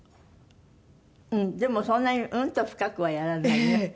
でもそんなにうんと深くはやらないのよ。